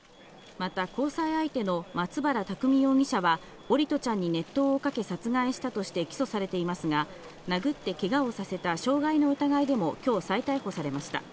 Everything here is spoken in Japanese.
また交際相手の松原拓海容疑者は桜利斗ちゃんに熱湯をかけ、殺害したとして起訴されていますが、殴ってけがをさせた傷害の疑いでもきょう、再逮捕されました。